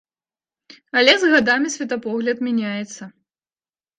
Але з гадамі светапогляд мяняецца.